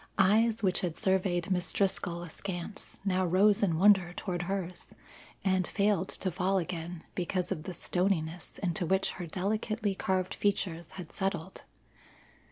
Eyes which had surveyed Miss Driscoll askance now rose in wonder toward hers, and failed to fall again because of the stoniness into which her delicately carved features had settled.